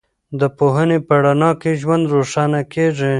د پوهنې په رڼا کې ژوند روښانه کېږي.